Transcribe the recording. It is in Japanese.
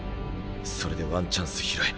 それでワンチャンス拾え。